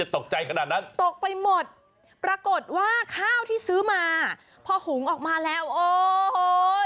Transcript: ตกใจขนาดนั้นตกไปหมดปรากฏว่าข้าวที่ซื้อมาพอหุงออกมาแล้วโอ้ย